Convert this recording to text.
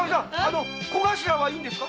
小頭はいいんですか？